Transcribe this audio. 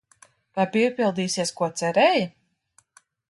Vai piepildīsies, ko cerēja?